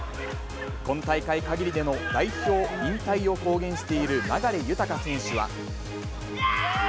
今大会限りでの代表引退を公言している流大選手は。